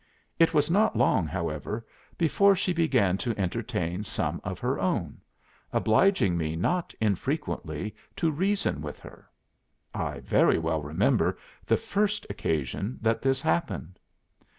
It was not long, however, before she began to entertain some of her own, obliging me not infrequently to reason with her. I very well remember the first occasion that this happened."